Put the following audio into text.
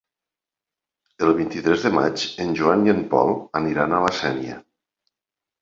El vint-i-tres de maig en Joan i en Pol aniran a la Sénia.